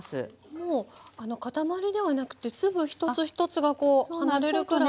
もう塊ではなくて粒一つ一つがこう離れるくらい。